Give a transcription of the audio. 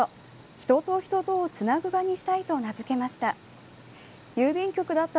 人と人とをつなぐ場にしたいと名付けました。